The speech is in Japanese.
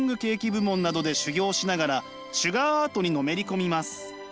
部門などで修業しながらシュガーアートにのめり込みます。